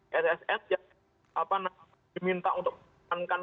bsss yang diminta untuk menekankan